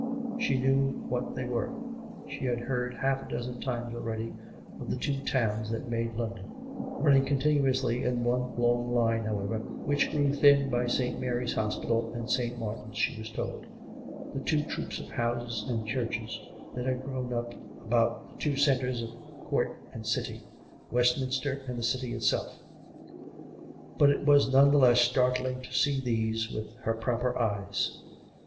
She knew what they were ; she had heard half a dozen times already of the two towns that made London — running continuously in one long line, however, which grew thin by St. Mary's Hospital and St. Martin's, she was told — the two troops of houses and churches that had grown up about the two centres of Court and City, Westminster and the City itself. But it was none the less startling to see these with her proper eyes.